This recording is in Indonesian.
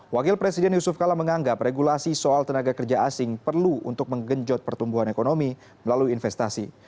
wakil presiden yusuf kala menganggap regulasi soal tenaga kerja asing perlu untuk menggenjot pertumbuhan ekonomi melalui investasi